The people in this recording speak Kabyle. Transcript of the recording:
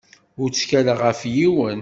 Ur ttkaleɣ ɣef yiwen.